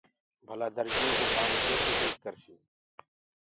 ڀلآ درجيو ڪآم ڪيسي چيڪ ڪرسي